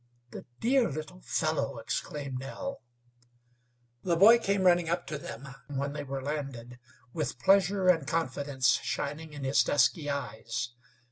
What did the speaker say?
"The dear little fellow!" exclaimed Nell. The boy came running up to them, when they were landed, with pleasure and confidence shining in his dusky eyes.